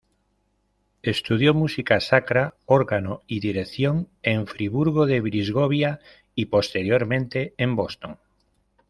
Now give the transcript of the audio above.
Estudió música sacra, órgano y dirección en Friburgo de Brisgovia y posteriormente en Boston.